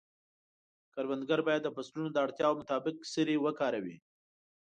کروندګر باید د فصلونو د اړتیاوو مطابق سرې وکاروي.